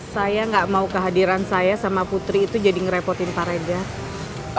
saya gak mau kehadiran saya sama putri itu jadi ngerepotin pak regat